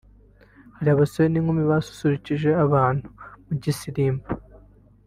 hari abasore n'inkumi basusurukije abantu mu gisirimba